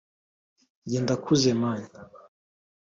njye ndakuze man